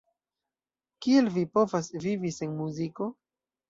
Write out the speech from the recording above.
Kiel vi povas vivi sen muziko?